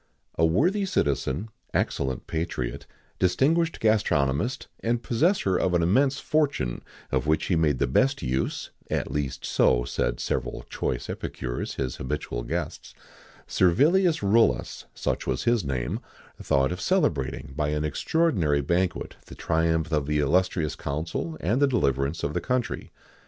A worthy citizen, excellent patriot, distinguished gastronomist, and possessor of an immense fortune, of which he made the best use (at least so said several choice epicures, his habitual guests), Survilius Rullus such was his name thought of celebrating by an extraordinary banquet the triumph of the illustrious consul, and the deliverance of the country.